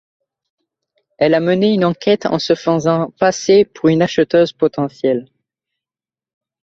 Elle a mené enquête en se faisant passer pour une acheteuse potentielle.